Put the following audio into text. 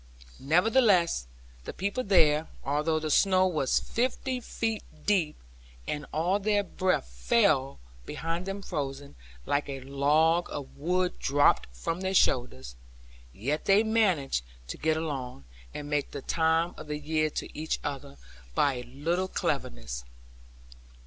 Nevertheless the people there (although the snow was fifty feet deep, and all their breath fell behind them frozen, like a log of wood dropped from their shoulders), yet they managed to get along, and make the time of the year to each other, by a little cleverness.